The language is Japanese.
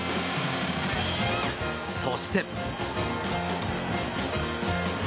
そして。